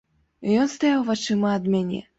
Ён стаяў вачыма ад мяне.